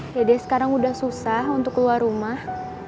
dede sekarang udah susah untuk keluar rumah